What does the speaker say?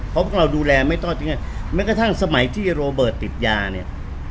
เพราะพวกเราดูแลไม่ทอดทิ้งง่ายแม้กระทั่งสมัยที่โรเบิร์ตติดยาเนี่ย